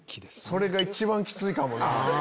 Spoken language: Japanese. それが一番キツいかもな。